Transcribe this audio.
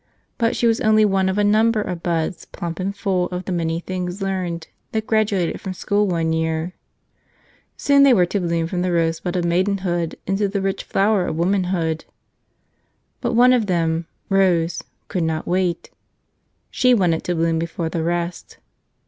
But she was only one of a number of buds, plump and full of the many things learned, that graduated from school one year. Soon they were to bloom from the rosebud of maidenhood into the rich flower of womanhood. But one of them, Rose, could not wait; she wanted to bloom before the rest.